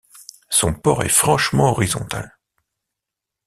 Son port est franchement horizontal.